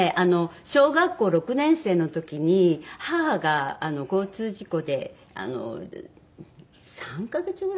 小学校６年生の時に母が交通事故であの３カ月ぐらいかな？